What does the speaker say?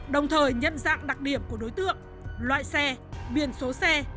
đồng thời nhận dạng đặc điểm của đối tượng loại xe biển số xe